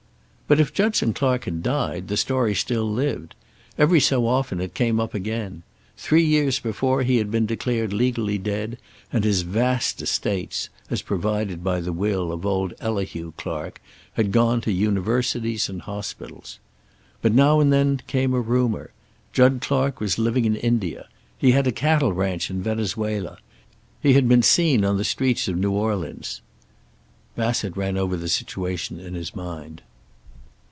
But if Judson Clark had died, the story still lived. Every so often it came up again. Three years before he had been declared legally dead, and his vast estates, as provided by the will of old Elihu Clark, had gone to universities and hospitals. But now and then came a rumor. Jud Clark was living in India; he had a cattle ranch in Venezuela; he had been seen on the streets of New Orleans. Bassett ran over the situation in his mind.